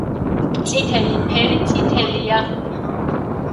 წითელი ფერი წითელია